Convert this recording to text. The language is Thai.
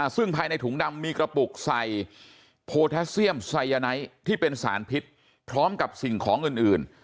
ซึ่งภายในถุงดำมีกระปุกใส่โพแทสเซียมไซยาไนท์ที่เป็นสารพิษพร้อมกับสิ่งของอื่น